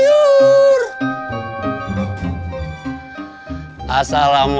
tunggu sebentar pak ustadz